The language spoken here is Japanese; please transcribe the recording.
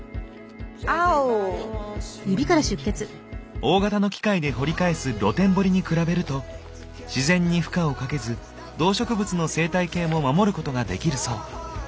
大型の機械で掘り返す「露天掘り」に比べると自然に負荷をかけず動植物の生態系も守ることができるそう。